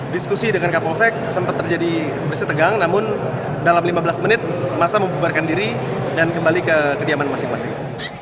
diskusi dengan kapolsek sempat terjadi bersih tegang namun dalam lima belas menit masa membubarkan diri dan kembali ke kediaman masing masing